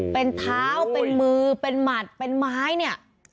เป็นเท้าเป็นมือเป็นหมัดเป็นไม้เนี่ย